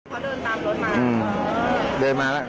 เขาเดินตามรถมา